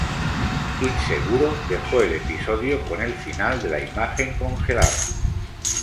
Inseguro, dejó el episodio con el final de la imagen congelada.